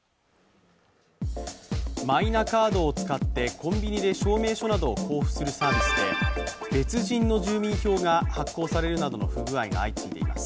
マイナカードを使ってコンビニで証明書などを交付するサービスで別人の住民票が発行されるなどの不具合が相次いでいます。